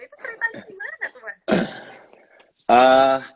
itu ceritanya gimana